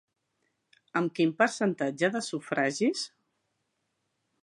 Amb quin percentatge de sufragis?